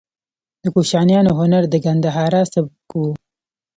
د کوشانیانو هنر د ګندهارا سبک و